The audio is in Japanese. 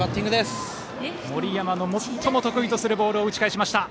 森山の最も得意とするボールを打ち返しました。